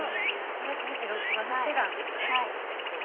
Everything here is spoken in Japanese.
２２６番のセランですね。